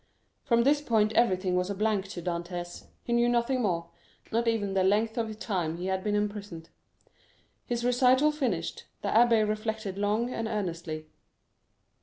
From this point everything was a blank to Dantès—he knew nothing more, not even the length of time he had been imprisoned. His recital finished, the abbé reflected long and earnestly.